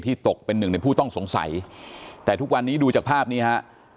ตกเป็นหนึ่งในผู้ต้องสงสัยแต่ทุกวันนี้ดูจากภาพนี้ฮะ